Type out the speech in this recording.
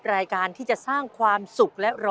รายการที่จะสร้างความสุขและรอ